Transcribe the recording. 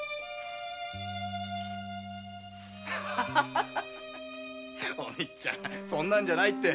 ハハお光ちゃんそんなんじゃないって。